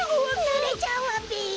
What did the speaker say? ぬれちゃうわべ！